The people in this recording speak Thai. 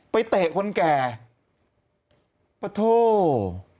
ไปเตะคนแก่ประโทษ